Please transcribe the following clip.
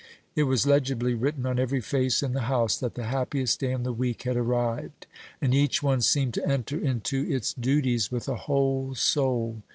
It was legibly written on every face in the house, that the happiest day in the week had arrived, and each one seemed to enter into its duties with a whole soul.